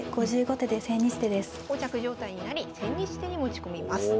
こう着状態になり千日手に持ち込みます。